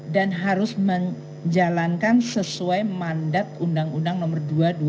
dan harus menjalankan sesuai mandat undang undang nomor dua dua ribu sembilan